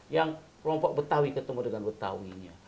yang kelompok betawi ketemu dengan betawinya